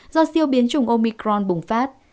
do siêu biến chủng omicron bùng phát